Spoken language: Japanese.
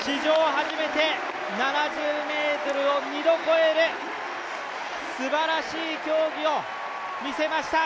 初めて７０ｍを２度、越えるすばらしい競技を見せました！